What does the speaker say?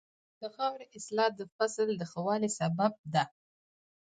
د خاورې اصلاح د فصل د ښه والي سبب ده.